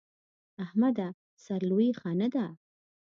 احمده! سر لويي ښه نه ده.